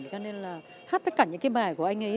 cho nên là hát tất cả những cái bài của anh ấy